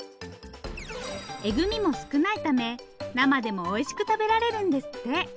エグミも少ないため生でもおいしく食べられるんですって。